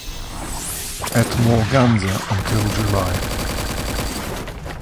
At Morganza until July.